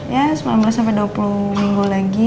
ya sembilan belas sampai dua puluh minggu lagi